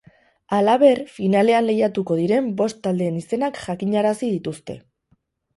Halaber, finalean lehiatuko diren bost taldeen izenak jakinarazi dituzte.